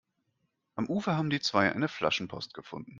Am Ufer haben die zwei eine Flaschenpost gefunden.